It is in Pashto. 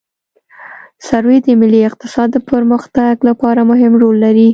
سروې د ملي اقتصاد د پرمختګ لپاره مهم رول لري